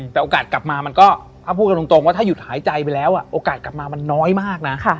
แต่โอกาสกลับมามันก็ถ้าพูดกันตรงว่าถ้าหยุดหายใจไปแล้วโอกาสกลับมามันน้อยมากนะ